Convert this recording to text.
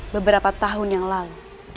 beberapa tahun yang lalu